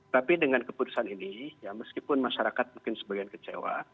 tapi dengan keputusan ini ya meskipun masyarakat mungkin sebagian kecewa